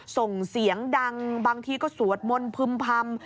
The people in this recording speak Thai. ส่งเสียงดังบางทีก็สวดมนต์พึ่มพำ